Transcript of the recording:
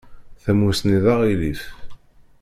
Tamusni d aɣilif.